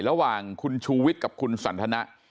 ระหว่างคุณชูวิทย์กับคุณสันทนะ